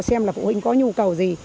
xem là phụ huynh có nhu cầu gì